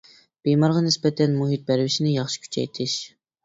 بىمارغا نىسبەتەن مۇھىت پەرۋىشنى ياخشى كۈچەيتىش.